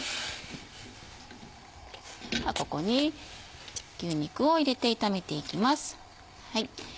ここに牛肉を入れて炒めていきます。